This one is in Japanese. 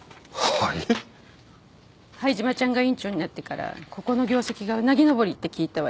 灰島ちゃんが院長になってからここの業績がうなぎ上りって聞いたわよ。